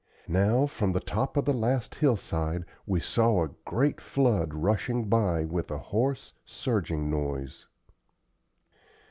Now from the top of the last hillside we saw a great flood rushing by with a hoarse, surging noise.